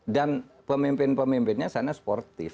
dan pemimpin pemimpinnya sana sportif